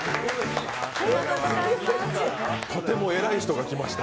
とても偉い人が来ました。